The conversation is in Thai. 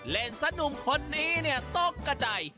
เล่นสนุมคนนี้เนี่ยต้องกระใจ